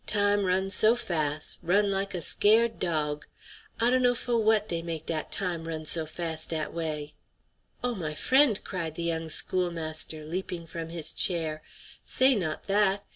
Time run so fas', run like a scared dog. I dunno fo' w'at dey make dat time run so fas' dat way." "O my friend," cried the young schoolmaster, leaping from his chair, "say not that!